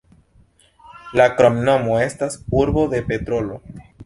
La kromnomo estas "urbo de petrolo".